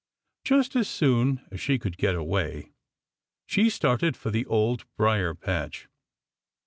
Just as soon as she could get away, she started for the Old Briar patch.